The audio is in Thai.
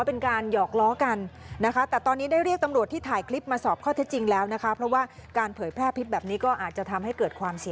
โอเคโอเค